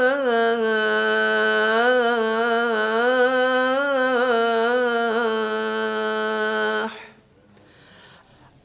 hai ala alfalah